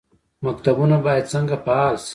مکتبونه باید څنګه فعال شي؟